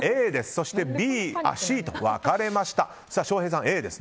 そしてＢ、Ｃと分かれました。